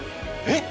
えっ？